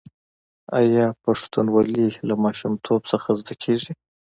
آیا پښتونولي له ماشومتوبه نه زده کیږي؟